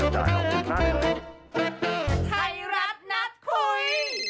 ไทยรัฐนัดคุย